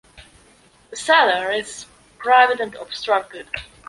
The cellar is private and obstructed.